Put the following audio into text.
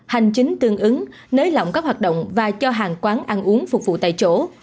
hành chính tương ứng nới lỏng các hoạt động và cho hàng quán ăn uống phục vụ tại chỗ